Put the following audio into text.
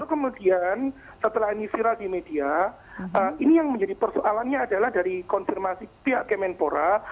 kemudian setelah ini viral di media ini yang menjadi persoalannya adalah dari konfirmasi pihak kemenpora